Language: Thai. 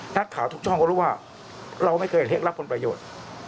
นักข่าวทุกช่องก็รู้ว่าเราไม่เคยเห็นเท็จรับผลประโยชน์